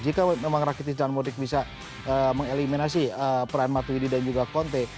jika memang rakitic dan modric bisa mengeliminasi peran matuidi dan juga conte